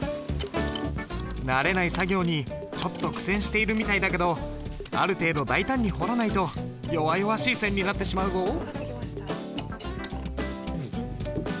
慣れない作業にちょっと苦戦しているみたいだけどある程度大胆に彫らないと弱々しい線になってしまうぞ。